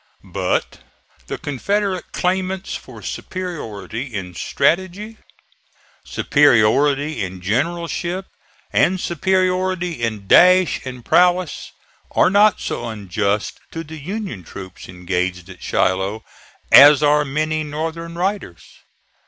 But the Confederate claimants for superiority in strategy, superiority in generalship and superiority in dash and prowess are not so unjust to the Union troops engaged at Shiloh as are many Northern writers.